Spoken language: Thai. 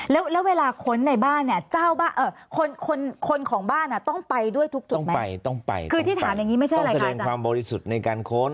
แล้วเวลาค้นในบ้านเนี่ยคนของบ้านต้องไปด้วยทุกจุดไหม